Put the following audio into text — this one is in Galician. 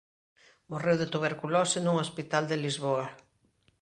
Morreu de tuberculose nun hospital de Lisboa.